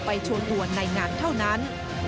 ไปชวนหัวในงานเท่านั้น